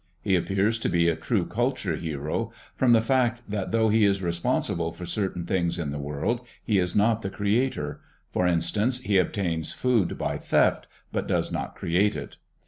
He appears to be a true culture hero from the fact that though he is responsible for certain things in the world he is not the creator. For instance he obtains food by theft, but does not create it.